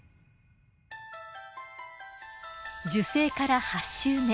受精から８週目。